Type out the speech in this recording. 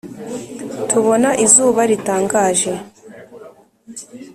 tubona izuba ritangaje